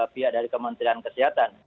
pihak dari kementerian kesehatan